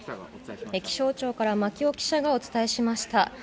気象庁からマキオ記者がお伝えしました。